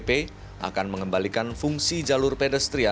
terjadi mengenai alasan di gelombangnya